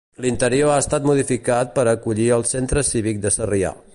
L'interior ha estat modificat per a acollir el Centre Cívic de Sarrià.